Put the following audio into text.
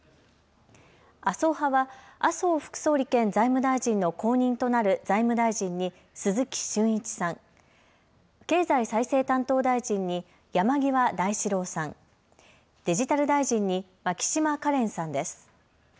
麻生派は、麻生副総理兼財務大臣の後任となる財務大臣に鈴木俊一さん、経済再生担当大臣に山際大志郎さん、デジタル大臣に牧島かれんさんです。